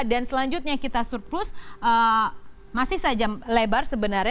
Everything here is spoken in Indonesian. dan selanjutnya kita surplus masih saja lebar sebenarnya